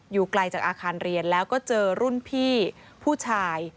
ไกลจากอาคารเรียนแล้วก็เจอรุ่นพี่ผู้ชาย